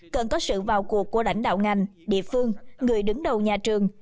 cần có sự vào cuộc của lãnh đạo ngành địa phương người đứng đầu nhà trường